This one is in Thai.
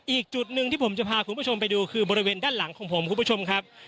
อีกจุดหนึ่งที่ผมจะพาคุณผู้ชมไปดูคือบริเวณด้านหลังของผมคุณผู้ชมครับ